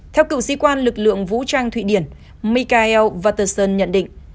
theo cựu di quan lực lượng vũ trang thụy điển mikhail vaterson nhận định